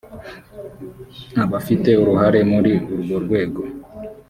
abafite uruhare muri urwo rwego